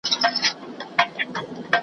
هلته يې خپله اونيزه خپرونه راوويسته